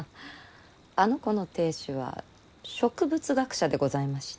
あの子の亭主は植物学者でございまして。